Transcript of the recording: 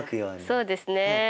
そうですね。